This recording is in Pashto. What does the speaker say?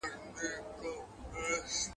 د گل د رويه اغزى هم اوبېږي.